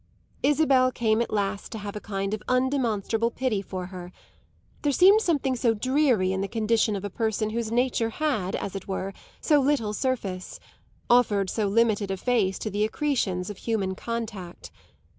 Isabel came at last to have a kind of undemonstrable pity for her; there seemed something so dreary in the condition of a person whose nature had, as it were, so little surface offered so limited a face to the accretions of human contact.